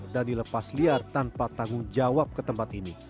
dan dilepas liar tanpa tanggung jawab ke tempat ini